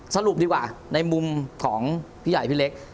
สรุปดีกว่าในมุมของพี่ใหญ่พี่เล็ก